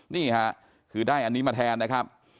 นี่ค่ะคือได้อันนี้มาแทนนะครับ